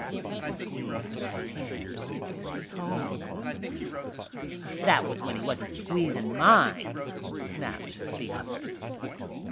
He squeezed my handball the way home." "That was when he wasn't squeezing mine," snapped the other.